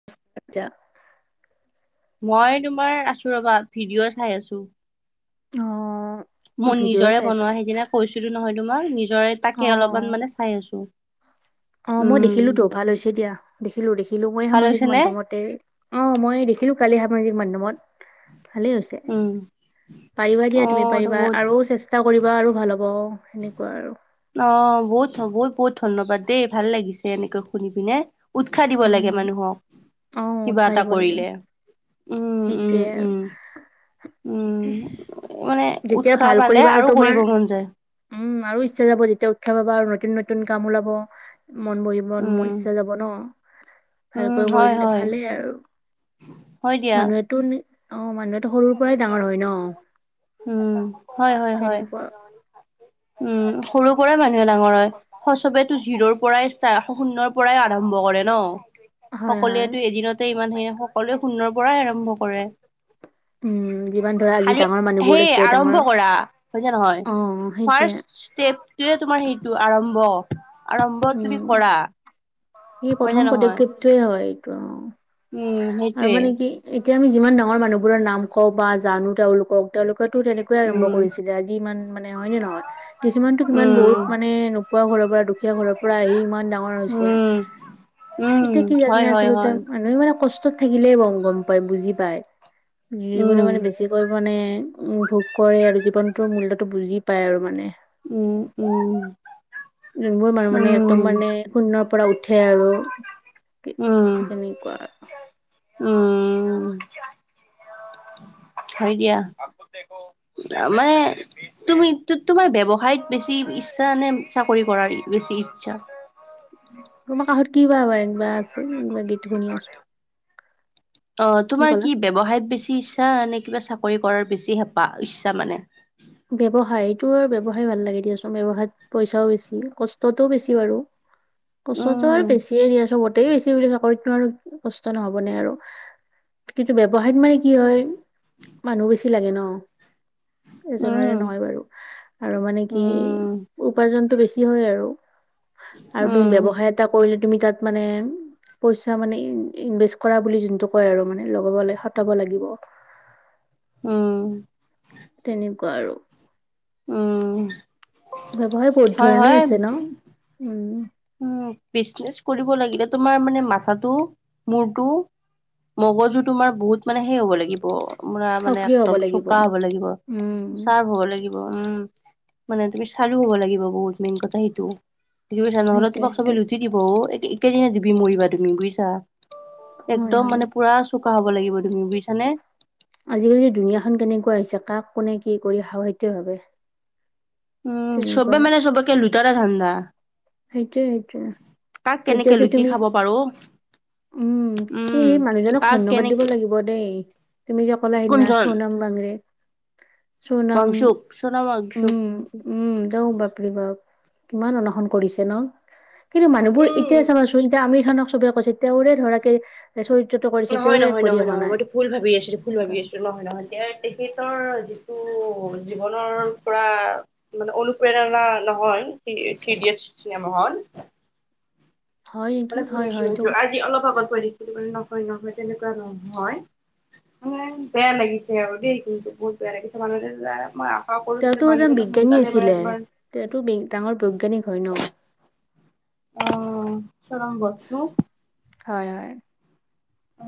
[inaudible] মই তোমাৰ আছোঁ ৰ'বা, ভিডিঅ' চাই আছোঁ। অ'। মই ভিডিঅ' নিজৰে চাইছো বনোৱা সেইদিনা কৈছিলোঁ নহয়, তোমাক নিজৰে অ তাকে অলপমান মানে চাই আছোঁ। অ', মই দেখিলোঁ তো' ভাল হৈছে দিয়া। দেখিলোঁ, দেখিলোঁ মই ভাল সামাজিক হৈছে নে মাধ্যয়মতে অ', মই দেখিলোঁ কালি সামাজিক মাধ্যয়মত। ভালেই হৈছে। উম পাৰিবা দিয়া অ তুমি পাৰিবা বহুত আৰু চেষ্ট চেষ্টা কৰিবা আৰু ভাল হ'ব, সেনেকুৱা আৰু। অ', বহুত, বহুত, বহুত ধন্যবাদ দেই, ভাল লাগিছে এনেকৈ শুনি পিনে। উৎসাহ দিব লাগে উম মানুহক, অ কিবা এটা কৰিলে। উম উম সেইটোৱেই উম আৰু। উম মানে যেতিয়া উৎসাহ ভাল পালে কৰিবা আৰু কৰিব তোমাৰ মন যায় উম, আৰু ইচ্ছা যাব যেতিয়া উৎসাহ পাবা আৰু নতুন নতুন কাম ওলাব মন বহিব উম ইচ্ছা যাব ন, উম ভালকৈ হয় কৰিলে হয় ভালেই আৰু। হয় দিয়া মানুহেটো অ', মানুহেতো সৰুৰ পৰাই ডাঙৰ হয় ন! উম হয় হয় হয় তেনেকুৱা। উম, সৰুৰ পৰাই মানুহে ডাঙৰ হয়। হয়, চবেতো জিৰ'ৰ পৰাই ষ্টা শূন্যৰ পৰাই আৰম্ভ কৰে ন'! হয় হয় সকলোৱেতো এদিনতে ইমানখিনি, সকলোৱে শূন্যৰ পৰাই আৰম্ভ কৰে। উম। যিমান ধৰা আজি খালি ডাঙৰ মানুহবোৰ সেই আছে ডাঙৰ আৰম্ভ কৰা হয়নে নহয়, অ সেইটোৱে ফাৰষ্ট ষ্টেপ [unintelligible] তোমাৰ সেইটো আৰম্ভ, আৰম্ভ তুমি কৰা। সেয়ে হয় নে প্ৰথম নহয়? পদক্ষেপটোৱে হয়, এইটো উম, অ', আৰু সেইটোৱে। মানে কি এতিয়া আমি যিমান ডাঙৰ মানুহবোৰৰ নাম কওঁ বা জানোঁ, তেওঁলোকক। তেওঁলোকেতো তেনেকুৱেই আৰম্ভ উম, কৰিছিলে, আজি ইমান মানে হয়, নে নহয়? কিছুমানতো কিমান বহুত উম, মানে [unintelligible] ঘৰৰ পৰা দুখীয়া ঘৰৰ পৰা আহি ইমান ডাঙৰ ৰ হৈছে, উম, উম, এতিয়া কি হয়, হয়, আচলতে হয়। মানুহে মানে কষ্ট ত' থাকিলে গম পায়, বুজি পায়, উম, গিৰিবলৈ মানে বেছিকৈ মানে কৰে আৰু জীৱনটোৰ মূল্যটো বুজি পায় আৰু মানে। উম, উম। যোনবোৰ মানুহ মানে একদম উম, মানে শূন্যৰ পৰা উঠে আৰু। উম, তেনেকুৱা উম। হয় দিয়া। [unintelligible] তুমি, তোমাৰ ব্যৱসায়ত বেছি ইচ্ছানে চাকৰি কৰাত বেছি ইচ্ছা? তোমাৰ কাষত কিবা হৈ বা আছে কিবা গীত শুনি আছো অ', তোমাৰ কি ব্যৱসায়ত বেছি ইচ্ছা, নে কিবা চাকৰি কৰাৰ বেছি হেঁপাহ ইচ্ছা মানে? ব্যৱসায় এইটো আৰু ব্যৱসায় ভাল লাগে দিয়াচোন। ব্যৱসায়ত পইচাও বেছি, কষ্টটোও বেছি বাৰু। কষ্টটো আৰু উম বেছিয়েই দিয়া চবতে, বেছি বাৰু, চাকৰিতনো আৰু কষ্ট নহ'বনে আৰু। কিন্তু ব্যৱসায়ত মানে কি হয়, মানুহ বেছি লাগে ন। এজনৰে উম নহয় বাৰু। আৰু মানে কি উম উপাৰ্জনতটো বেছি হয় আৰু। আৰু উম তুমি ব্যৱসায় এটা কৰিলে তুমি তাত মানে পইচা মানে ইনভেষ্ট কৰা বুলি যোনটো কয় আৰু মানে লগাবলে সতাব লাগিব। উম। তেনেকুৱা আৰু। উম। ব্যৱসায় বহুত হয় ধৰণে হয় আছে ন? উম। উম বিজনেচ কৰিব লাগিলে তোমাৰ মানে মাথাটো মূৰটো মগজু তোমাৰ বহুত মানে সে হ'ব লাগিব পুৰা মানে সক্ৰিয় হব একদম লাগিব চোকা হ'ব লাগিব। উম চাৰ্ফ হ'ব লাগি উম মানে তুমি চালো হব লাগিব বহুত মেইন কথা সেইটো। বুজিছা নহ'লে সেইটোয়ে তোমাক চবে সেইটোয়ে লুটি দিব। এ-এক একেদিনা দিবি মৰিবা তুমি বুজিছা? হয় একদম হয় মানে পুৰা চোকা হ'ব লাগিব তুমি বুজিছানে? আজিকালি দুুনীয়াখন কেনেকুৱা হৈছে। কাক কোনে কি কৰি খাওঁ সেইটয়ে ভাবে। উম তেনেকুৱা চবে মানে চবেকে লুটাৰ ধাণ্ডা। সেইটোৱে সেইটোৱে। কাক কেনেকে লুটি খাব পাৰো উম উম সেই মানুহজনক কাক ধন্যবাদ দিব কেনেকে লাগিব দেই। তুমি যে ক'লা সেইদিনা কোনজন চনাম বংৰে চনাম বংশুক চোনা বংশুক উম উম যাও বাপৰে বাপ কিমান অনশন কৰিছে ন? কিন্তু মানুহবোৰ উম এতিয়া চাবা চোন এতিয়া আমিৰ খানক চবে কৈছে তেওঁৰে ধৰাকে চৰিত্ৰটো কৰিছে নহয় তেৱে এক নহয় পৰি নহয় অহা নহয় নাই মইতো ভুল ভাবি আছিলো ভুল ভাবি এনেকুৱা। আছিলো নহয় নহয় এতিয়া তেখেতৰ যিটো জীৱনৰ পৰা মানে অনুপ্ৰেৰণা নহয় থ্ৰী-থ্ৰীদিয়েত চিনেমা খন। হয় নেকি মানে হয় শুনিছো হয় এইটো সেইটো আজি অলপ আগত পছিলানে নহয় নহয় তেনেকুৱা নহয়। মানে বেয়া লাগিছে আৰু দেই কিন্তু বহুত বেয়া লাগিছে। মানুহ [unintelligible] তোমাৰ তেওঁটো ডাঙৰ বৈজ্ঞানিক হয় ন'। অ চনাম বংছোক। হয় হয়। অ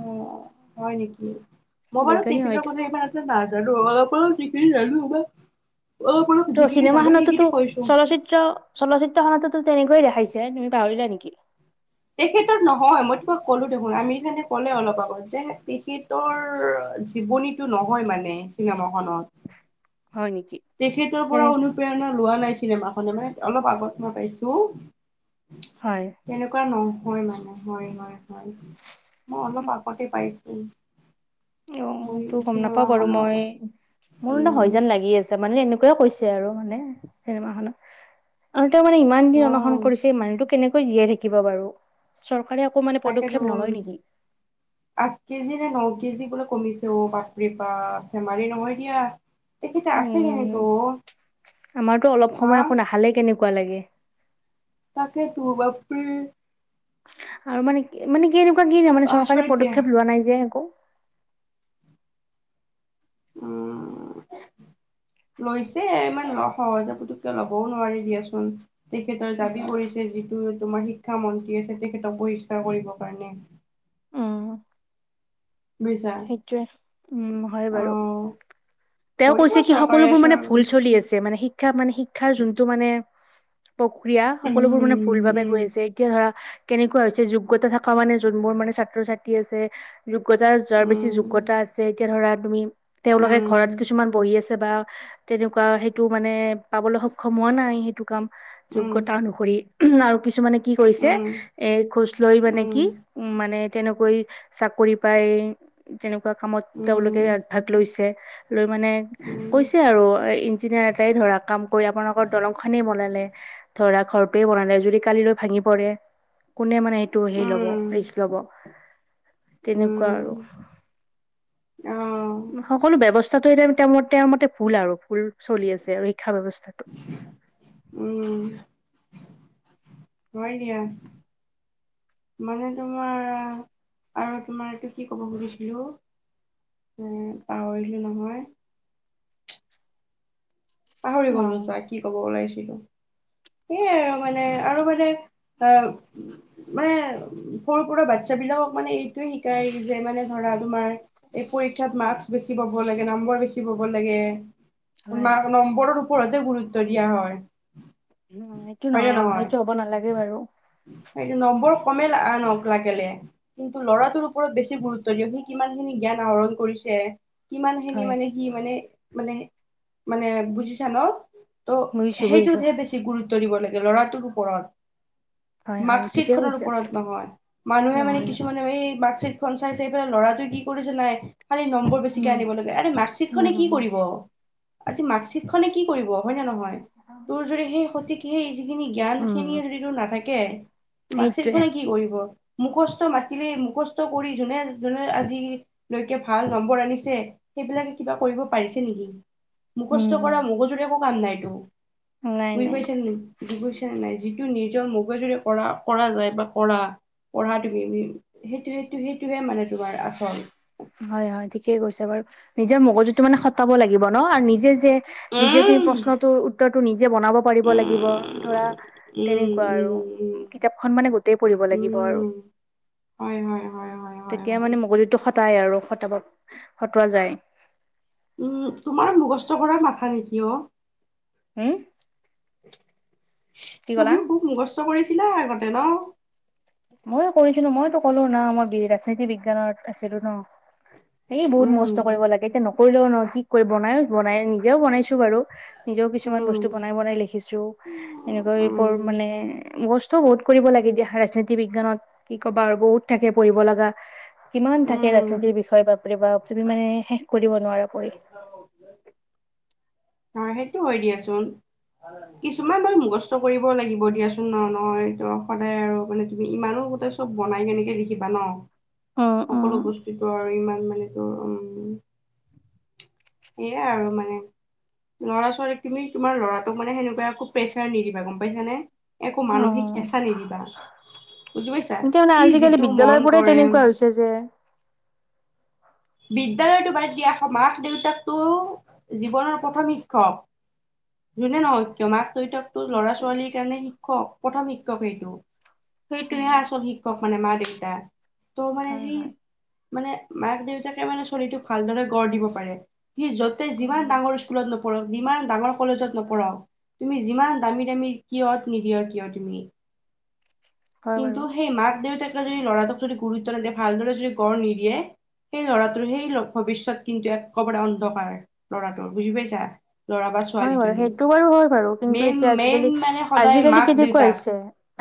হয় নেকি। মই বাৰু মই বাৰু বিজ্ঞানী হয় তেখেতৰ কাৰণে এবাৰ নাজানো অলপ অলপ [unintelligible] অলপ অলপ ত যিখিনি চিনেমা জানো খাতোতো সেইখিনি কৈছো। চলচিত্ৰ চলচ্চিত্ৰ খনতোতো তেনেকৈয়ে দেখাইছে। তুমি পাহৰিলা নেকি? তেখেতৰ নহয়। মই তোমাক কলো দেখোন আমেৰিকানে ক'লে অলপ আগত যে তেখেতৰ জীৱনী টো নহয় মানে চিনেমা খনত। হয় নেকি তেখেতৰ তেনে পৰা অনু প্ৰেৰণা লোৱা নাই চিনেমাখনে মানে অলপ আগত মই পাইছো হয়। এনেকুৱা নহয় মানে হয় হয় হয়। মই অলপ আগতে পাইছো। অ মোৰ সেইটো গম নাপাও বাৰু চিনেমাখনৰ মোৰ ন হয় উম যোন লাগি আছে মানে এনেকুৱাই কৈছে আৰু মানে চিনেমাখনত। আৰু তেওঁ মানে ইমান দিন অ অনশৰন কৰিছে মানুহটো কেনেকৈ জীয়াই থাকিব বাৰু? চৰকাৰে আকৌ মানে, তাকেতো পদক্ষেপ নলয় নেকি? আঠ কেজি নে, ন কেজি বোলে, কমিছে। অ'! বাপৰে বাপ! ধেমালি নহয় দিয়া। তেখেতে আছে উম, কেনেকে অ আমাৰতো অলপ হা সময় একো, নাখালে কেনেকুৱা লাগে! তকেটো, বাপৰে! আৰু মানে কি, মানে কি, এনেকুৱা কি, নাই মানে, চৰকাৰে আচৰিত দিয়া পদক্ষেপ লোৱা নাই যে একো। উম [inaudible] লৈছে, ইমান সহজে, পুতুককে ল'বও নোৱাৰি দিয়াচোন। তেখেতৰ দাবী কৰিছে যিটো, তোমাৰ শিক্ষা মন্ত্ৰী আছে, তেখেতক বহিষ্কাৰ কৰিবৰ কাৰণে। উম, বুজিছা সেইটোৱে! উম, হয় বাৰু। অহ তেওঁ কৰিব কৈছে কি! চৰকাৰে সকলোবোৰ মানে চৰ ভুল চলি আছে। মানে, শি শিক্ষা মানে, শিক্ষাৰ যোনটো মানে, প্ৰক্ৰিয়া। সকলোবোৰ মানে, ভুল উম ভাবে উম গৈ আছে, এতিয়া ধৰা। কেনেকুৱা হৈছে? যোগ্যতা থকা মানে, যোন বোৰ মানে, ছাত্ৰ-ছাত্ৰী আছে, যোগ্যতা যোৱাৰ পিছ [unintelligible] উম যোগ্যতা আছে। এতিয়া ধৰা তুমি, তেওঁলোকে ঘৰত কিছুমান বহি আছে বা তেনেকুৱা, সেইটো মানে, পাবলৈ সক্ষম হোৱা নাই, সেইটো কাম, উম উম যোগ্যতা অনুসৰি। ওহোঁ আৰু কিছুমানে কি কৰিছে, উম এ, ঘোচ লৈ মানে উম কি! উম, মানে, তেনেকৈ চাকৰি পাই। তেনেকুৱা কামত, তেওঁলোকে উম আগভাগ লৈছে। লৈ মানে, উম কৈছে আৰু ইঞ্জিনিয়াৰ এটাই ধৰা, কাম কৰি আপোনালোকৰ দলং খনেই বনালে। ধৰা, ঘৰটোৱে বনালে, যদি কালিলৈ ভাঙি পৰে। কোনে মানে, টো হেই ল'ব, উম ৰিক্স ল'ব, তেনেকুৱা আৰু। অ'! সকলো ব্যৱস্থাটো এতিয়া, তেওঁৰ মতে, তেওঁৰ মতে, ভুল আৰু ভুল চলি আছে আৰু শিক্ষা ব্যৱস্থাটো। উম, হয় দিয়া! মানে, তোমাৰ আৰু তোমাৰ, এইটো কি ক'ব খুজিছিলোঁ! উম, পাহৰিলোঁ নহয়। পাহৰি অ গলোঁ যোৱা, কি কব ওলাইছিলোঁ। সেইয়াই আৰু মানে আৰু মানে, অ'! মানে, সৰু-সুৰা বাচ্ছা বিলাকক মানে, এইটোৱে শিকাই যে, মানে ধৰা তোমাৰ, এই পৰীক্ষাত মাৰ্ক্স বেছি পাব লাগে, নম্বৰ বেছি পাব লাগে। হয় মা নম্বৰৰ ওপৰতে, গুৰুত্ব দিয়া হয়। উম, সেইটো নহয় অ'! সেইটো হ'ব নালাগে বাৰু। সেইটো, নম্বৰ কমেই [unintelligible] নহওঁক লাগিলে। কিন্তু, ল'ৰাটোৰ ওপৰত বেছি গুৰুত্ব দিয়ক। সি কিমান খিনি জ্ঞান আহৰণ কৰিছে। কিমান খিনি হয় মানে, সি মানে, মানে, মানে, বুজিছা ন'? ত' বুজিছো বুজিছো সেইটোতহে বেছি গুৰুত্ব দিব লাগে, ল'ৰাটোৰ ওপৰত। হয় হয় মাৰ্ক্সচিট ঠিকে খনৰ কৈছে ওপৰত নহয়। মানুহে মানে, নহয় নহয় কিছুমানে, এই, মাৰ্ক্সচিট খন চাইছে, এইফালে ল'ৰাটোৱে কি কৰিছে, নাই। খালি নম্বৰ বেছিকে উম আনিব লাগে! আৰে মাৰ্ক্সচিট খনে উম কি উম কৰিব। আজি, মাৰ্কশ্বিট খনে কি কৰিব! হয়নে নহয়? তোৰ যদি, সেই সঠিক, সেই যিখিনি, জ্ঞান উম খিনিয়ে যদি তোৰ নাথাকে। মাৰ্কশিট সেইটোৱে খনে কি কৰিব। মুখস্থ মাতিলে, মুখস্থ কৰি যোনে, যোনে আজি লৈকে ভাল নম্বৰ আনিছে, সেইবিলাকে কিবা কৰিব পাৰিছে নেকি। উম মুৰ্খস্থ কৰা, মগজুৰে একো কাম নাইতো, নাই বুজি নাই পাইছেনে? বুজি পাইছা নাই? যিটো নিজৰ মগজুৰে কৰা, কৰা যায় বা কৰা। পঢ়া তুমি? সেই, সেইটো, সেইটোহে মানে, তোমাৰ আচল। হয়, হয়, ঠিকেই কৈছে বাৰু। নিজৰ মগজুটো মানে, সটাব লাগিব ন' আৰু নিজে যে, নিজে তুমি উম প্ৰশ্নটোৰ উত্তৰ টো নিজে বনাব পাৰিব লাগিব ধৰা উম উম তেনেকুৱা আৰু কিতাপখন মানে গোটেই পঢ়িব উম উম লাগিব আৰু উম হয় হয় হয় হয় হয় তেতিয়া হয় মানে মগজুটো খটাই আৰু খটাব খটোৱা যায়। উম, তোমাৰ মুখস্থ কৰাৰ মাথা নেকি অহ। হম, কি কলা। কষ্ট কৰিছিলা আগতে নহ। ময়ো কৰিছিলো। মইতো ক'লো নহ। মই বিএ ৰাজনীতি বিজ্ঞানত আছিলো নহ। এই বহুত উম মুখস্থ কৰিব লাগে। এতিয়া নকৰিলেও নহৈ ন। কি কৰি বনাই বনাই নিজেও বনাইছো বাৰু। নিজেও কিছুমান উম বস্তু বনাই বনাই লিখিছো। এনেকৈ বোৰ উম মানে মুখস্থ বহুত কৰিব লাগি দিয়া। ৰাজনীতি বিজ্ঞানত কি ক'বা আৰু বহুত থাকে পঢ়িব লগা। কিমান থাকে উম ৰাজনীতিৰ বিষয়ে বাপৰে বাপ। তুমি মানে শেষ কৰিব নোৱাৰা পঢ়ি। অ, সেইটো হয় দিয়াচোন। কিছুমান বাৰু মুখস্থ কৰিব লাগিব দিয়াচোন ন নহয় ত সদায় আৰু মানে তুমি ইমানো গোট চব বনাই কেনেকে লিখিবা ন অ অ সকল বস্তুটো আৰু ইমান মান তোৰ উম সেইয়াই আৰু মানে ল'ৰা ছোৱালী তুমি তোমাৰ ল'ৰাটোক মানে সেনেকুৱা একো প্ৰেছাৰ নিদিবা গম পাইছানে একো অ মানসিক হেঁচা নিদিবা বুজি পাইছা সি যিটো মন কৰে তে যে বিদ্যালয়টো বাদ দিয়া মাক দেউতাকটো জীৱনৰ প্ৰথম শিক্ষক যোনে নহওক কিয় মাক দেউতাক ল'ৰা সেইটোৱে ছোৱালীৰ কাৰণে শিক্ষক প্ৰথম শিক্ষক সেইটো সেইটোহে উম আচল শিক্ষক মানে মা দেউতা ত মানে হয় সেই হয় মানে মাক দেউতা মানে ছোৱলীটোক ভালদৰে গঢ় দিব পাৰে সি য'তে যিমান উম ডাঙৰ স্কুলত ন পঢ়ক যিমান ডাঙৰ কলেজত নপঢ়ক তুমি যিমান দামী দামী কিয় নিদিয় কিয় তুমি হয় বাৰু কিন্তু সেই মাক দেউতাকে যদি লৰাটোক যদি গুৰুত্ব ন দিয়ে ভালদৰে যদি গড় নিয়ে সেই ল'ৰাটোৰ সেই ভৱিষ্যত কিন্তু একেবাৰে অন্ধকাৰ ল'ৰাটোৰ বুজি পাইছা ল'ৰা বা হয় বাৰু ছোৱালীজনীৰ সেইটো বাৰু হয় বাৰু কিন্তু মেইন এতিয়া মেইন আজিকালি মানে সদায় আজিকালি মাক কেনেকুৱা দেউতাক হৈছে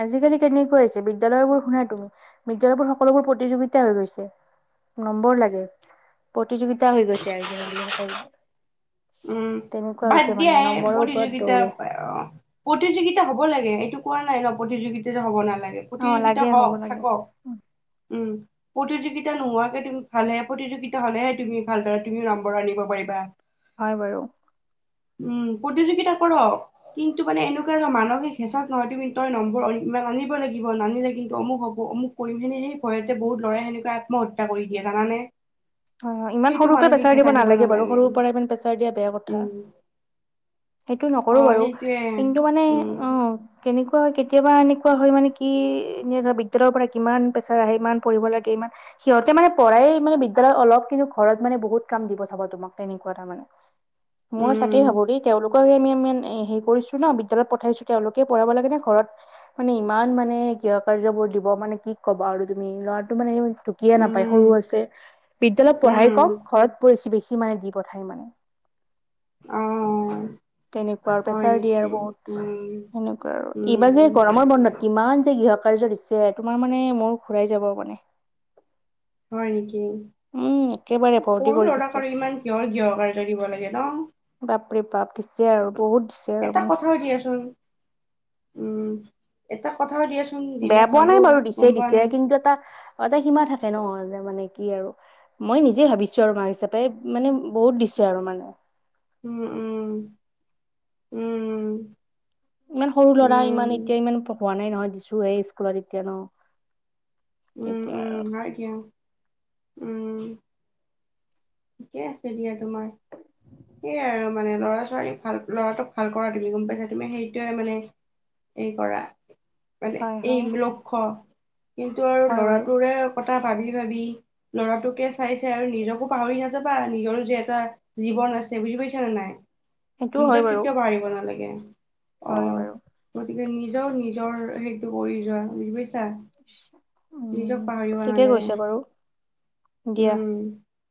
আজিকালি কেনেকৈ আছে বিদ্যালয়বোৰ শুনা তুমি বিদ্যালয়বোৰ সকলোবোৰ প্ৰতিযোগিতা হৈ গৈছে নম্বৰ লাগে প্ৰতিযোগিতা হৈ গৈছে আজি সকলোবোৰ উম তেনেকুৱা বাদ হৈছে মানে দিয়াহে নম্বৰৰ ওপৰত প্ৰতিযোগিতা দৌৰে অ প্ৰতিযোগিতা হব লাগে সেইটো কোৱা নাই ন প্ৰতিযোগিতা যে হব নালাগে অ প্ৰতিযোগিতা লাগে হও হ'ব লাগে থাকক উম প্ৰতিযোগিতা নোহোৱাকে তুমি ভালহে প্ৰতিযোগিতা হলেহে তুমি ভালদৰে তুমি নম্বৰ আনিব পাৰিবা। হয় বাৰু উম প্ৰতিযোগিতা কৰক কিন্তু মানে এনেকুৱা এ মানসিক হেঁচা নহয় তুমি তই নম্বৰ ইমান আানিব লাগিব নানিলে কিন্তু অমুক হ'ব অমুক কৰিমখিনি সেই ভয়তে বহুত ল'ৰাই সেনেকৈ আত্মহত্যা কৰি দিয়ে জানানে অ ইমান সেইটো সৰুৰ পৰা মানসিক পেছাৰ দিব হেঁচা নালাগে বাৰু সৰুৰ পৰা ইমান পেচাৰ দিয়া বেয়া কথা উম সেইটো অ নকৰো বাৰু সেইটোৱে কিন্তু মানে উম অ কেনেকুৱা হয় কেতিয়াবা এনেকুৱা হয় মানে কি এনে ধ বিদ্যালয়ৰ পৰা কিমান প্ৰেছাৰ আহে ইমান পঢ়িব লাগে ইমান সিহঁতে মানে পঢ়াই মানে বিদ্যালয় অলপ কিন্তু ঘৰত মানে বহুত কাম দিব চাব তোমাক তেনেকুৱা এটা মানে মই তাকেই উম ভাবো দেই তেওঁলোককে আমি ইমান হেৰি কৰিছো। ন বিদ্যালয়ত পঠাইছো তেওঁলোকে পঢ়াব লাগে নে ঘৰত, মানে ইমান মানে গৃহ কাৰ্যবোৰ দিব মানে কি ক'ব আৰু তুমি ল'ৰাটো মানে, কিয় নাপায় উম সৰু আছে বিদ্যালয়ত পঢ়াই উম কম ঘৰত বছি বেছি মানে দি পঠাই মানে। অ তেনেকুৱা আৰু প্ৰেছাৰ দিয়ে আৰু বহুত সেনেকুৱা আৰু উম এইবাৰ যে উম গৰমৰ বন্ধত, কিমান যে গৃহ কাৰ্য দিছে তোমাৰ মানে মোৰ ঘূৰাই যাব মানে। হয় নেকি উম একেবাৰে ভৰ্তি সৰু কৰি দিছে লৰাক আৰু ইমান কিয়ৰ গৃহ কাৰ্য দিব লাগে ন। বাপৰে বাপ দিছে আৰু বহুত দি এটা কথাও দিয়াচোন উম, এটা কথাও দিয়াচোন দিলে বেয়া পোৱা ভালো নাই বাৰু দিছে গম পোৱা নাই। [unintelligible] এটা সীমা থাকে ন যে মানে কি আৰু মই নিজে ভাবিছোঁ আৰু মাক হিচাপে মানে বহুত দিছে আৰু মানে, উম উম উম ইমান সৰু ল'ৰা উম ইমান এতিয়া ইমান পঢ়োৱা নাই নহয় দিছো হে স্কুলত এতিয়া ন। উম তেতিয়া উম আৰু তাকে উম, ঠিকে আছে দিয়া তোমাৰ। সে আৰু মানে ল'ৰা ছোৱালী ভাল ল'ৰাটোক ভাল কৰা তুমি গম পাইছা তুমি সেইটোৱে মানে। এই কৰা মানে হয় এই হয় লক্ষ্য কিন্তু আৰু হয় বাৰু ল'ৰাটোৰে। কথা ভাবি ভাবি ল'ৰাটোকে চাইছে আৰু নিজকো, পাহৰি নাযাবা নিজৰো যে এটা জীৱন আছে বুজি পাইছা নে নাই। সেইটোও হয় নিজক বাৰু কেতিয়াও পাহৰিব নালাগে। অ হয় বাৰু গতিকে নিজৰও নিজৰ হেৰিটো কৰি যোৱা বুজি পাইছা। নিজক উম পাহৰিব ঠিকে নালাগে কৈছে বাৰু দিয়া উম,